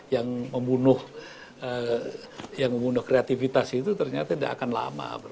yang membunuh kreativitas itu ternyata tidak akan lama